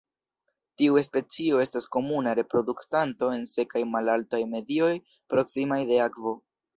Tiu specio estas komuna reproduktanto en sekaj malaltaj medioj proksimaj de akvo.